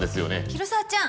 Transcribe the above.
広沢ちゃん。